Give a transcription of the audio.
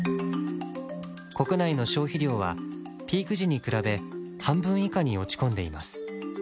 国内の消費量はピーク時に比べ半分以下に落ち込んでいます。